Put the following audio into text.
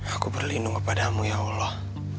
aku berlindung kepadamu ya allah